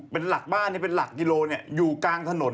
เป็นหลักบ้านเป็นหลักกิโลอยู่กลางถนน